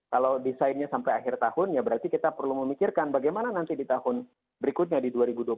kalau desainnya sampai akhir tahun ya berarti kita perlu memikirkan bagaimana nanti di tahun berikutnya di dua ribu dua puluh empat